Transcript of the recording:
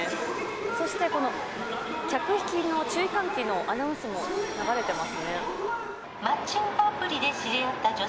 そして、客引きの注意喚起のアナウンスも流れていますね。